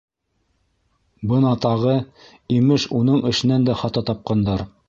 Бына тағы, имеш, уның эшенән дә хата тапҡандар...